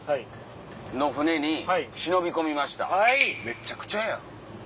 めちゃくちゃやん。